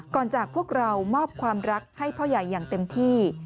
จากพวกเรามอบความรักให้พ่อใหญ่อย่างเต็มที่